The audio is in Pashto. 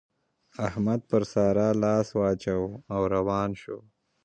احمد پر سارا لاس واچاوو او روان شول.